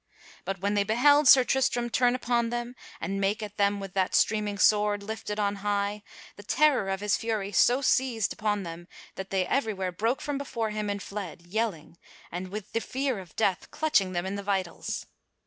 But when they beheld Sir Tristram turn upon them and make at them with that streaming sword lifted on high, the terror of his fury so seized upon them that they everywhere broke from before him and fled, yelling, and with the fear of death clutching them in the vitals.